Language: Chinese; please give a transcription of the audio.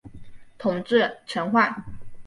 统制陈宧。